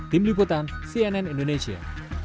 tim liputan cnn indonesia